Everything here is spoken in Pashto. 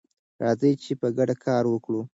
راځئ چې په ګډه کار وکړو.